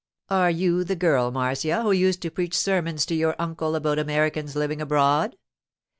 'Are you the girl, Marcia, who used to preach sermons to your uncle about Americans living abroad?